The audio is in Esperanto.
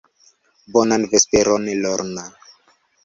Bonan vesperon, Lorna.